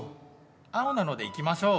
青なので行きましょう。